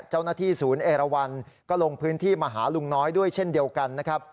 เจ้าหน้าที่ศูนย์เอราวันก็ลงพื้นที่มาหาลุงน้อยด้วยเช่นเดียวกันนะครับ